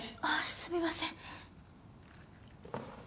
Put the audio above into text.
ああすみません。